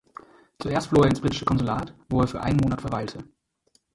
Zuerst floh er ins Britische Konsulat, wo er für einen Monat verweilte.